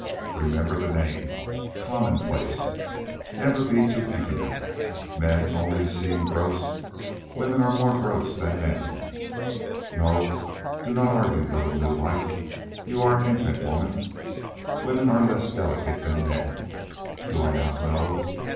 Remember the name. Commonplace. Never be too intimate. Men only seem gross. Women are more gross than men. No, do not argue, little new wife. You are an infant woman. Women are less delicate than men. Do I not know?